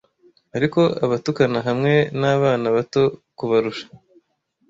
Ariko abatukana hamwe nabana bato kubarusha.